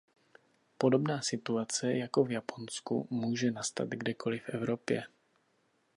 Podobná situace jako v Japonsku může nastat kdekoli v Evropě.